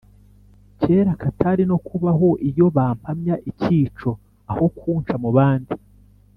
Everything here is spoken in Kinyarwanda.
kera katari no kubaho iyo bampamya icyico aho kunca mu bandi